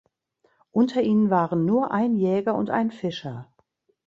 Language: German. Unter ihnen waren nur ein Jäger und ein Fischer.